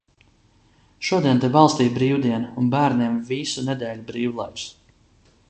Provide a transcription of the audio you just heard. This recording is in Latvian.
Šodien te valstī brīvdiena un bērniem visu nedēļu brīvlaiks.